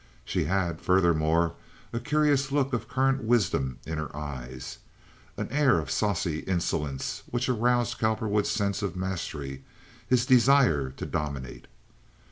She had, furthermore, a curious look of current wisdom in her eyes, an air of saucy insolence which aroused Cowperwood's sense of mastery, his desire to dominate.